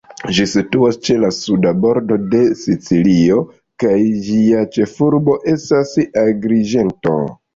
Ĝi situas ĉe la suda bordo de Sicilio, kaj ĝia ĉefurbo estas Agriĝento.